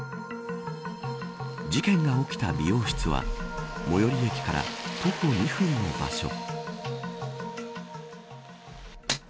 事件が起きた美容室は最寄駅から徒歩２分の場所。